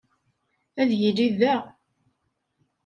Ad yili da.